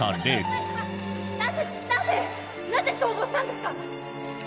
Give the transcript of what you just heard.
なぜなぜ逃亡したんですか？